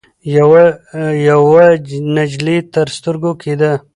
يوه يوه نجلۍ تر سترګو کېده.